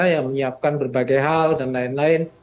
yang menyiapkan berbagai hal dan lain lain